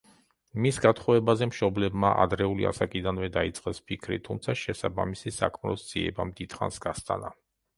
მის გათხოვებაზე მშობლებმა ადრეული ასაკიდანვე დაიწყეს ფიქრი, თუმცა შესაბამისი საქმროს ძიებამ დიდხანს გასტანა.